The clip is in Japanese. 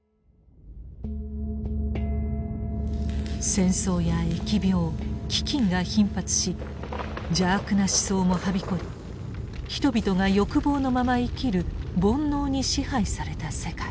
戦争や疫病飢饉が頻発し邪悪な思想もはびこり人々が欲望のまま生きる煩悩に支配された世界。